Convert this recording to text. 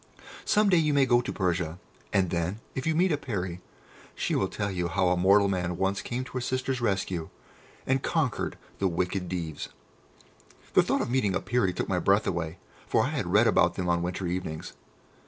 Some day you may go to Persia, and then, if you meet a Peri, she will tell you how a mortal man once came to her sisters' rescue, and conquered the wicked Deevs." The thought of meeting a Peri took my breath away, for I had read about them on winter evenings.